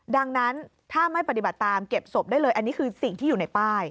ดังนั้นถ้าไม่ปฏิบัติตามเก็บศพได้เลยอันนี้คือสิ่งที่อยู่ในป้าย